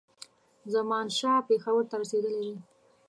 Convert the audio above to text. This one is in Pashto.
زمانشاه پېښور ته رسېدلی دی.